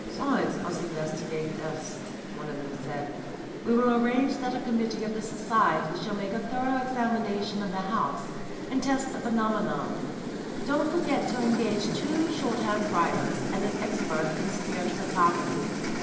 'Science must investigate this,' one of them said. 'We will arrange that a committee of the Society shall make a thorough examination of the house and test the phenomena. Don't forget to engage two shorthand writers and an expert in spirit photography.